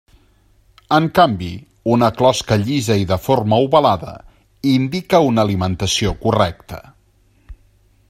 En canvi, una closca llisa i de forma ovalada indica una alimentació correcta.